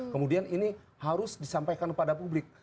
kemudian ini harus disampaikan kepada publik